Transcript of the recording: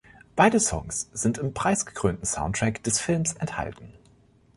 Beide Songs sind im preisgekrönten Soundtrack des Films enthalten.